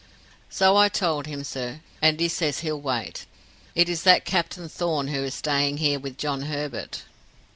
"So I told him, sir, and he says he'll wait. It is that Captain Thorn who is staying here with John Herbert."